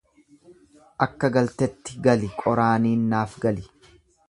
Akka galtetti gali qoraaniin naaf gali.